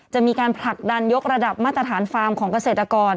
จะมีการผลักดันยกระดับมาตรฐานฟาร์มของเกษตรกร